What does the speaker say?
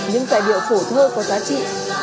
những giải điệu phổ thô có giá trị